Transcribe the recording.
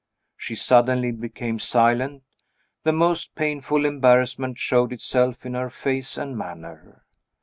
She suddenly became silent; the most painful embarrassment showed itself in her face and manner.